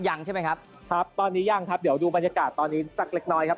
ยังใช่ไหมครับครับตอนนี้ยังครับเดี๋ยวดูบรรยากาศตอนนี้สักเล็กน้อยครับ